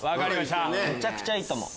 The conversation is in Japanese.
めちゃくちゃいいと思う。